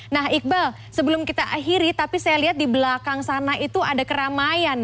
nah iqbal sebelum kita akhiri tapi saya lihat di belakang sana itu ada keramaian